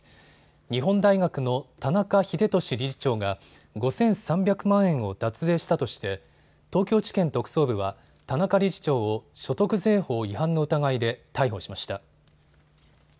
日本大学の田中英壽理事長が５３００万円を脱税したとして東京地検特捜部は田中理事長を所得税法違反の疑いで逮捕しました。